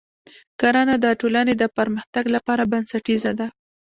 کرنه د ټولنې د پرمختګ لپاره بنسټیزه ده.